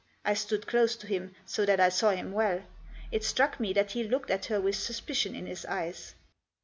I stood close to him, so that I saw him well ; it struck me that he looked at her with suspicion in his eyes.